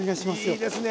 いいですね。